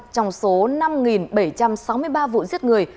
trong số năm bảy trăm sáu mươi ba vụ giết người